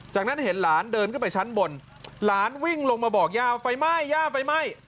จากนั้นเห็นหลานเดินขึ้นไปชั้นบนหลานวิ่งลงมาบอกย่าไฟไหม้ย่าไฟไหม้